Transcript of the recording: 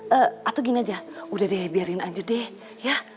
eh atau gini aja udah deh biarin aja deh ya